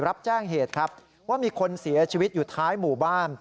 รับแจ้งเหตุครับว่ามีคนเสียชีวิตอยู่ท้ายหมู่บ้าน